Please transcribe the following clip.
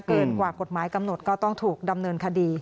เกินกว่ากฎหมายกำหนดก็ต้องถูกดำเนินคดี